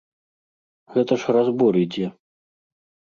Гэта ж разбор ідзе.